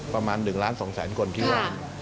ประมาณ๑ล้าน๒แสนคนที่ว่า